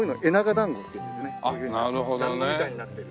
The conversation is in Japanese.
団子みたいになってる。